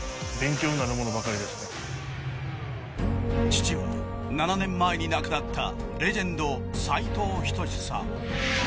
父は７年前に亡くなったレジェンド、斉藤仁さん。